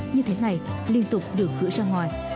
như thế này liên tục được gửi ra ngoài